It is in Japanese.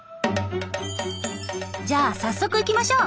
じゃあ早速行きましょう。